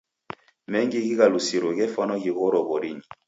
Mengi ghighalusiro ghefwana ghighoro w'orinyi.